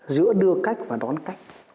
giữa đưa cách và đón cách